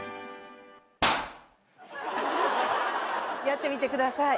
やってみてください。